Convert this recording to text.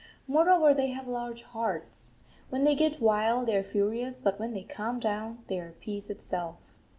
Moreover, they have large hearts. When they get wild they are furious, but when they calm down they are peace itself.